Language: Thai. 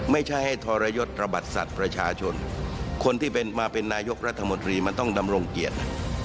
ไม่ใช่ให้ทรยศระบัดสัตว์ประชาชนคนที่เป็นมาเป็นนายกรัฐมนตรีมันต้องดำรงเกียรติ